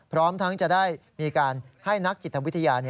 พร้อมทั้งจะได้มีการให้นักจิตวิทยา